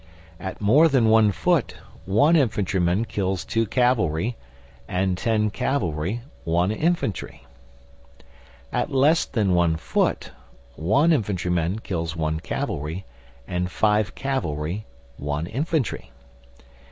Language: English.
At more than one foot one infantry man kills two cavalry, and ten cavalry one infantry. At less than one foot one infantry man kills one cavalry, and five cavalry one infantry.